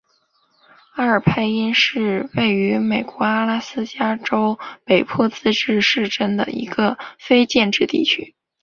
阿尔派因是位于美国阿拉斯加州北坡自治市镇的一个非建制地区。